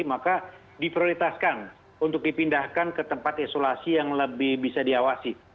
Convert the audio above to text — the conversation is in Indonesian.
maka diprioritaskan untuk dipindahkan ke tempat isolasi yang lebih bisa diawasi